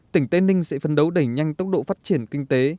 tỉnh tây ninh sẽ phấn đấu đẩy nhanh tốc độ phát triển kinh tế